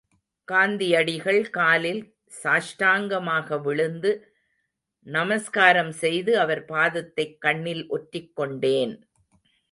காந்தியடிகள் காலில் சாஷ்டாங்கமாக விழுந்து நமஸ்காரம் செய்து அவர் பாதத்தைக் கண்ணில் ஒற்றிக்கொண்டேன்.